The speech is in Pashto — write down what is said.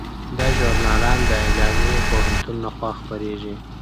دا ژورنال د ایلینای پوهنتون لخوا خپریږي.